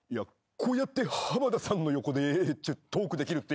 こうやって浜田さんの横でトークできるって。